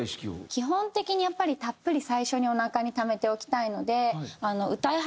基本的にやっぱりたっぷり最初におなかにためておきたいので。